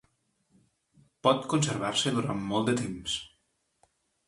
Pot conservar-se durant molt de temps.